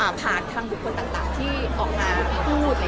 ผ่านทางบุคคลต่างที่ออกมาพูด